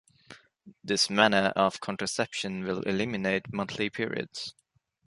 This manner of contraception will eliminate monthly periods.